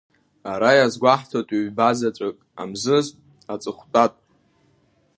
Ара иазгәаҳтоит ҩба заҵәык амзызтә, аҵыхәтәатә.